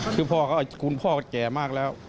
คือคุณพ่อแก่มากแล้ว